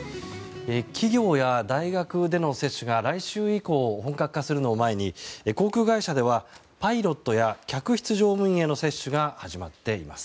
企業や大学での接種が来週以降本格化するのを前に航空会社ではパイロットや客室乗務員への接種が始まっています。